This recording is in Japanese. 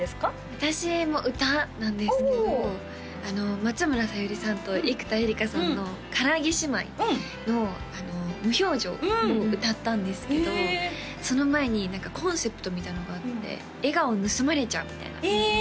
私も歌なんですけど松村沙友理さんと生田絵梨花さんのからあげ姉妹の「無表情」を歌ったんですけどその前にコンセプトみたいなのがあって「笑顔を盗まれちゃう」みたいなへえ！